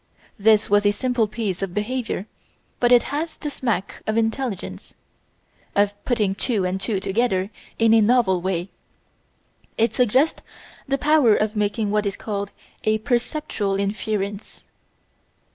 This was a simple piece of behaviour, but it has the smack of intelligence of putting two and two together in a novel way. It suggests the power of making what is called a "perceptual inference."